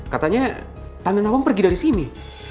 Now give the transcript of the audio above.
katanya tandana wang pergi dari sini